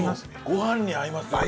ご飯に合いますよね。